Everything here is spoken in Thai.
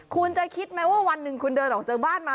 คุณจะคิดไหมว่าวันหนึ่งคุณเดินออกจากบ้านมา